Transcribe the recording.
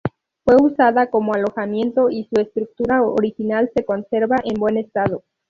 Fue usada como alojamiento y su estructura original se conserva en buen estado.